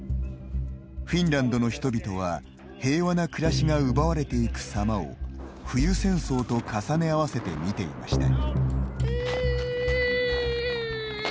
フィンランドの人々は平和な暮らしが奪われていく様を冬戦争と重ね合わせて見ていました。